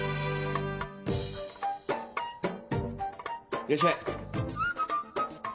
いらっしゃい。